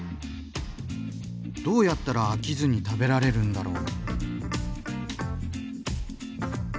どうやったら飽きずに食べられるんだろう？